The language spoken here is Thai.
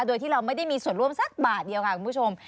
โดยที่เราไม่ได้มีส่วนร่วมสักบาทเดียวค่ะคุณผู้ชม